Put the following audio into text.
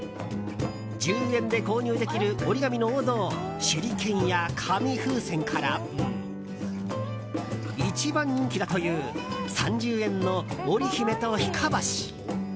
１０円で購入できる折り紙の王道手裏剣や紙風船から一番人気だという３０円の、織り姫とひこ星。